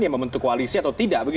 yang membentuk koalisi atau tidak